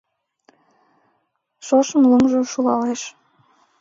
Шошым лумжо шулалеш